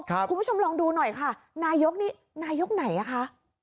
คุณผู้ชมลองดูหน่อยค่ะนายกนี่นายกไหนอ่ะคะ